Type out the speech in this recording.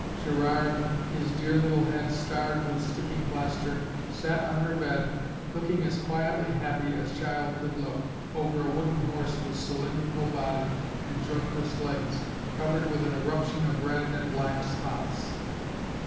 Gerard, his dear little head starred with sticking plaster, sat on her bed, looking as quietly happy as child could look, over a wooden horse with cylindrical body and jointless legs, covered with an eruption of red and black spots.